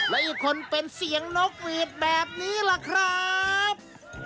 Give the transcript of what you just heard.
และอีกคนเป็นเสียงนกหวีดแบบนี้ล่ะครับ